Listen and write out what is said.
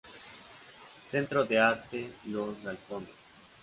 Centro de Arte Los Galpones.